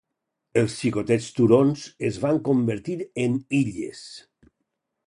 Els xicotets turons es van convertir en illes.